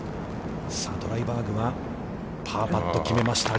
さあ、ドライバーグは、パーパットを決めました。